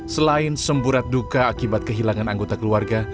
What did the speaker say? selain semburat duka akibat kehilangan anggota keluarga